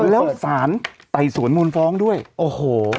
แล้วสารไต่สวนมูลฟ้องด้วยโอ้โห